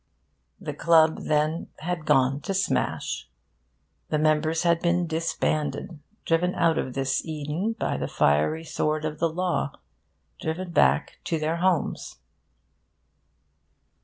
The club, then, had gone to smash. The members had been disbanded, driven out of this Eden by the fiery sword of the Law, driven back to their homes.